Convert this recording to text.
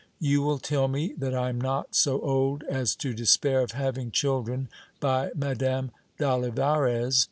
You will tell me, that I am not so old as to despair of having children by Madame d'Olivarez.